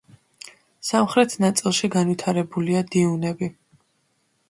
სამხრეთ ნაწილში განვითარებულია დიუნები.